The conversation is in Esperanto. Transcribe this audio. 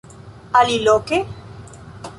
Aliloke?